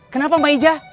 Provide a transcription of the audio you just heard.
kenapa mbak ija